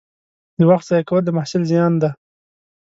د وخت ضایع کول د محصل زیان دی.